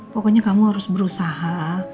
pokoknya kamu harus berusaha